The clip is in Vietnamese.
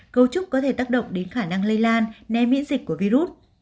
câu chúc có thể tác động đến khả năng lây lan né miễn dịch của virus